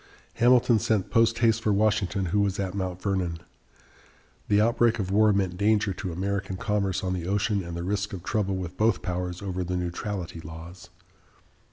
Hamilton sent post haste for Washington, who was at Mount Vernon. The outbreak of war meant danger to American commerce on the ocean and the risk of trouble with both powers over the neutrality laws.